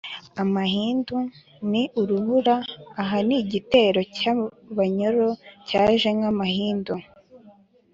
amahindu: ni urubura; aha ni igitero cy’ abanyoro cyaje nk’amahindu